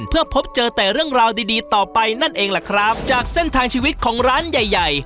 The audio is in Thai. เพื่อพบเจอแต่เรื่องราวดีดีต่อไปนั่นเองล่ะครับจากเส้นทางชีวิตของร้านใหญ่ใหญ่